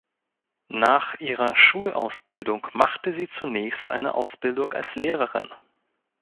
Nach ihrer Schulausbildung machte sie zunächst eine Ausbildung als Lehrerin.